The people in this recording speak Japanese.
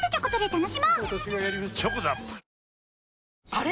あれ？